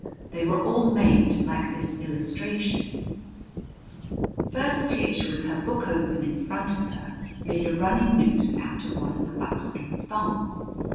They were all made like this illustration. First Tish, with her book open in front of her, made a running noose out of one of the buckskin thongs.